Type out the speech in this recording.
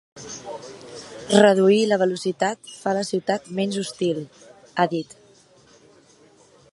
Reduir la velocitat fa la ciutat menys hostil, ha dit.